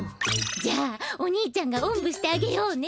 じゃあお兄ちゃんがおんぶしてあげようね。